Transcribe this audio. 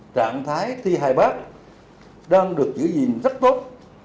trạng thái thi hai bác đang được giữ gìn rất tốt